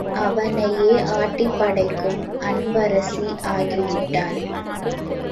அவனையே ஆட்டிப் படைக்கும் அன்பரசி ஆகிவிட்டாள்.